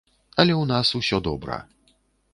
Але ў нас усё добра.